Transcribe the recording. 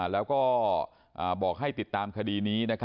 แล้วก็บอกให้ติดตามคดีนี้